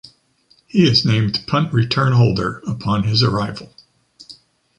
He is named punt return holder upon his arrival.